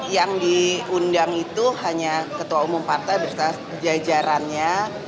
yang diundang itu hanya ketua umum partai berjajarannya